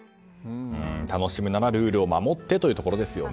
楽しむならルールを守ってというところですね。